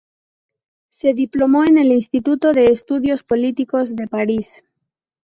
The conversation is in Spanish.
Se diplomó en el Instituto de Estudios Políticos de París.